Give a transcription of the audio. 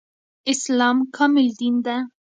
اسلام کامل دين ده